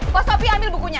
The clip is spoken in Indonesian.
bos wapi ambil bukunya